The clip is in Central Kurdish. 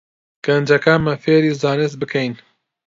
گەنجەکانمان فێری زانست بکەین